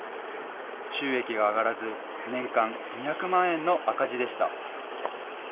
収益が上がらず、年間２００万円の赤字でした。